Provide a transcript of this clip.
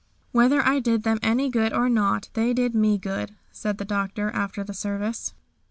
"Whether I did them any good or not they did me good," said the Doctor after the service.